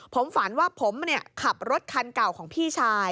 ผมฝันว่าผมขับรถคันเก่าของพี่ชาย